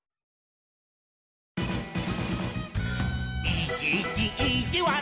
「いーじいじいーじわる」